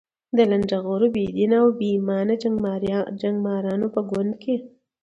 د لنډه غرو، بې دینه او بې ایمانه جنګمارانو په ګند کې.